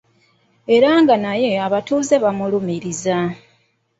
Era nga naye abatuuze bamulumirizza.